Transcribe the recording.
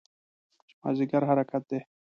چې مازدیګر حرکت دی.